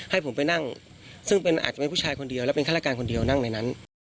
ให้ผมไปนั่งซึ่งอาจจะเป็นผู้ชายคนเดียวแล้วเป็นฆาตการคนเดียวนั่งในนั้น